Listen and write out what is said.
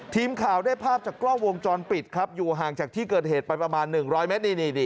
ทีมข่าวได้ภาพจากกล้องวงจรปิดครับอยู่ห่างจากที่เกิดเหตุไปประมาณ๑๐๐เมตร